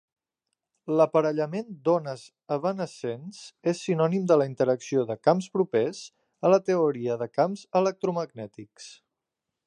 L'aparellament d'ones evanescents és sinònim de la interacció de camps propers a la teoria de camps electromagnètics.